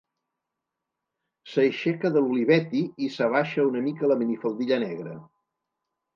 S'aixeca de l'Olivetti i s'abaixa una mica la minifaldilla negra.